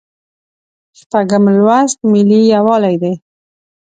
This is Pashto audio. شپږم لوست ملي یووالی دی.